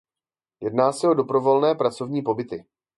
Jedná se o dobrovolné pracovní pobyty.